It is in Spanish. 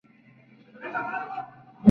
En esta parte, se hace lectura de la Biblia.